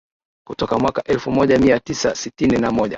kutoka mwaka elfu moja mia tisa sitini na moja